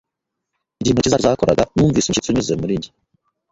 Igihe intoki zacu zakoraga, numvise umushyitsi unyuze muri njye.